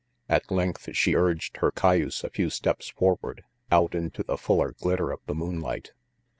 At length she urged her cayuse a few steps forward, out into the fuller glitter of the moonlight.